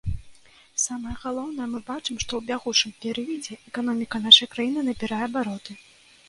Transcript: Самае галоўнае, мы бачым, што ў бягучым перыядзе эканоміка нашай краіны набірае абароты.